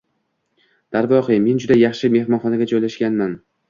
Darvoqe, men juda yaxshi mehmonxonaga joylashganman.